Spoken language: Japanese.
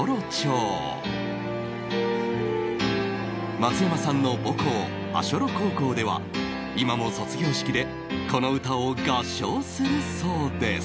松山さんの母校足寄高校では今も卒業式でこの歌を合唱するそうです